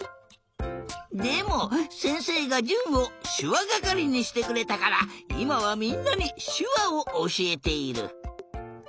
でもせんせいがじゅんをしゅわがかりにしてくれたからいまはみんなにしゅわをおしえている。